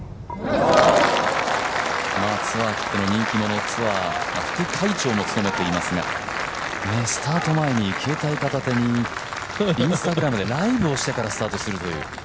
ツアー切っての人気者、ツアー副会長も務めていますが、スタート前に携帯片手にＩｎｓｔａｇｒａｍでライブをしてからスタートするという。